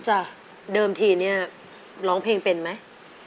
จ้ะเดิมทีเนี่ยร้องเพลงเป็นไหม